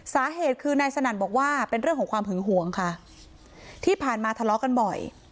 สาเหตุคือนายสนั่นบอกว่าเป็นเรื่องของความหึงหวงค่ะที่ผ่านมาทะเลาะกันบ่อย